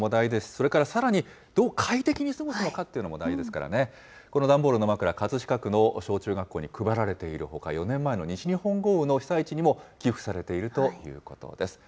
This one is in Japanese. それからさらにどう快適に過ごすのかというのも大事ですからね、この段ボールの枕、葛飾区の小中学校に配られているほか、４年前の西日本豪雨の被災地にも寄付されているということです。